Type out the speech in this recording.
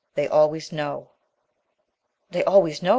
"They always know." "They always know!